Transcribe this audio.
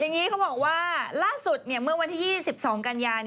อย่างนี้เขาบอกว่าล่าสุดเมื่อวันที่๒๒กันยา